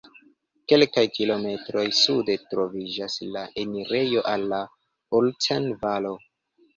Kelkaj kilometroj sude troviĝas la enirejo al la Ulten-Valo.